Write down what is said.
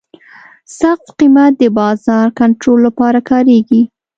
سقف قیمت د بازار کنټرول لپاره کارېږي.